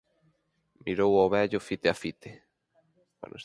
Mirou o vello fite a fite.